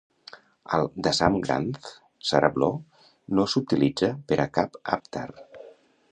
Al Dasam Granth, Sarabloh no s'utilitza per a cap Avtar.